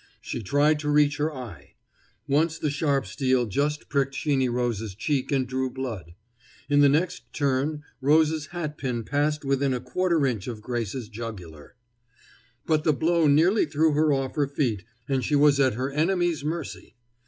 She tried to reach her eye. Once the sharp steel just pricked Sheeny Rose's cheek and drew blood. In the next turn Rose's hatpin passed within a quarter inch of Grace's jugular. But the blow nearly threw her off her feet, and she was at her enemy's mercy.